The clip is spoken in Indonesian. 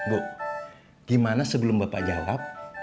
bu gimana sebelum bapak jawab